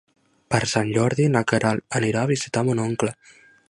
Per Sant Jordi na Queralt anirà a visitar mon oncle.